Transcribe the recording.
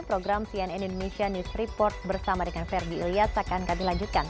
program cnn indonesia news report bersama dengan ferdi ilyas akan kami lanjutkan